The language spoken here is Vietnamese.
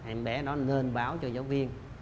em bé đó nên báo cho giáo viên